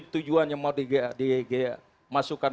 tujuannya mau dimasukkan